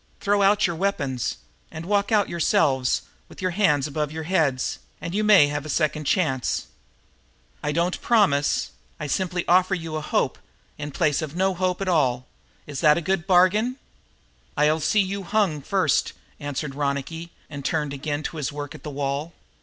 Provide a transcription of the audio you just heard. Throw out your weapons, and then walk out yourselves, with your arms above your heads, and you may have a second chance. I don't promise I simply offer you a hope in the place of no hope at all. Is that a good bargain?" "I'll see you hung first," answered Ronicky and turned again to his work at the wall.